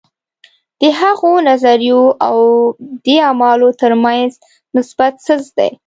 د هغو نظریو او دې اعمالو ترمنځ نسبت سست دی.